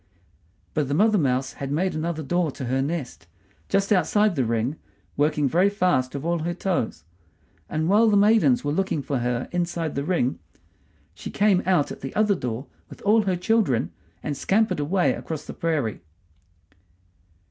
But the mother mouse had made another door to her nest, just outside the ring, working very fast with all her toes; and while the maidens were looking for her inside the ring she came out at the other door with all her children and scampered away across the prairie.